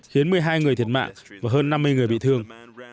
khiến một mươi hai người thiệt mạng và hơn năm mươi người bị thương